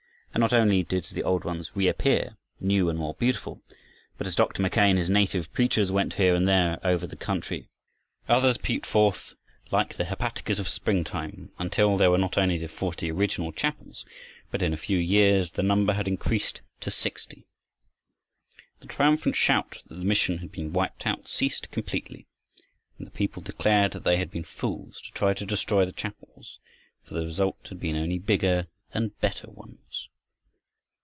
And not only did the old ones reappear, new and more beautiful, but as Dr. Mackay and his native preachers went here and there over the country others peeped forth like the hepaticas of springtime, until there were not only the forty original chapels, but in a few years the number had increased to sixty. The triumphant shout that the mission had been wiped out ceased completely, and the people declared that they had been fools to try to destroy the chapels, for the result had been only bigger and better ones.